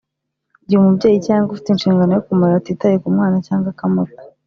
igihe umubyeyi cyangwa ufite ishingano yo kumurera atitaye ku mwana cyangwa akamuta,